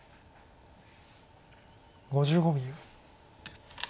５５秒。